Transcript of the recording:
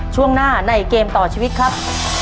ช่วงหน้าในเกมต่อชีวิตครับ